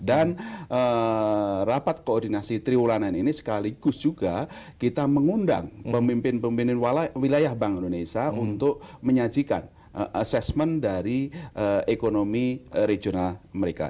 dan rapat koordinasi triulanan ini sekaligus juga kita mengundang pemimpin pemimpin wilayah bank indonesia untuk menyajikan asesmen dari ekonomi regional mereka